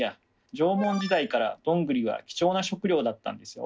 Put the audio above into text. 縄文時代からどんぐりは貴重な食料だったんですよ。